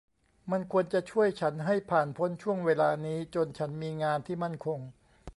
มันควรจะช่วยฉันให้ผ่านพ้นช่วงเวลานี้จนฉันมีงานที่มั่นคง